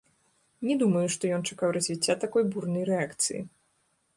Не думаю, што ён чакаў развіцця такой бурнай рэакцыі.